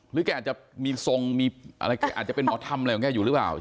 แกอาจจะมีทรงมีอะไรแกอาจจะเป็นหมอทำอะไรของแกอยู่หรือเปล่า